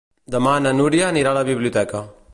Demà na Núria anirà a la biblioteca.